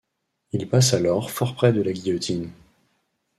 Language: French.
Il passe alors fort près de la guillotine.